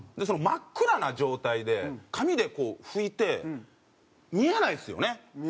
真っ暗な状態で紙でこう拭いて見えないですよね。